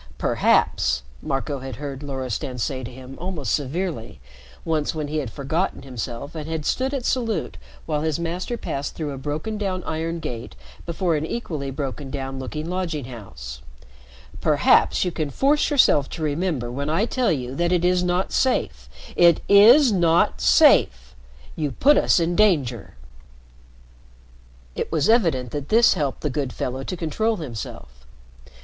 "Perhaps," Marco had heard Loristan say to him almost severely, once when he had forgotten himself and had stood at salute while his master passed through a broken down iron gate before an equally broken down looking lodging house "perhaps you can force yourself to remember when I tell you that it is not safe it is not safe! You put us in danger!" It was evident that this helped the good fellow to control himself.